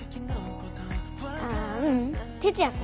あううん哲也君。